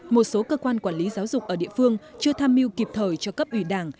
một số cơ quan quản lý giáo dục ở địa phương chưa tham mưu kịp thời cho cấp ủy đảng